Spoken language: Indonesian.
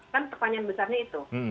kan pertanyaan besarnya itu